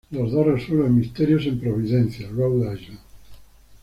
Los dos resuelven misterios en Providencia, Rhode Island.